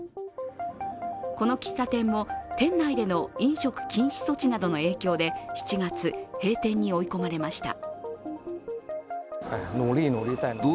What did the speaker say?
この喫茶店も店内での飲食禁止措置などの影響で７月、閉店に追い込まれました。